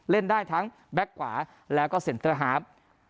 เล่นได้ทั้งแบ็คขวาแล้วก็เซ็นเตอร์ฮาร์ฟ